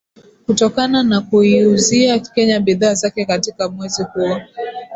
Kutokana na kuiuzia Kenya bidhaa zake katika mwezi huo